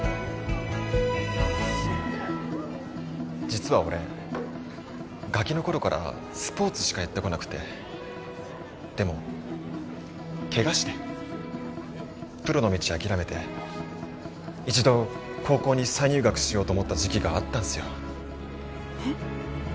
実は俺ガキの頃からスポーツしかやってこなくてでも怪我してプロの道諦めて一度高校に再入学しようと思った時期があったんすよえっ？